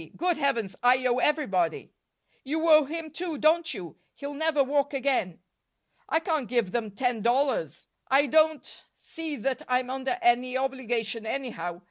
Good Heavens I owe everybody." "You owe him too, don't you? He'll never walk again." "I can't give them ten dollars. I don't see that I'm under any obligation, anyhow.